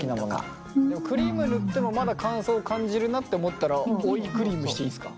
クリーム塗ってもまだ乾燥を感じるなって思ったら追いクリームしていいですか？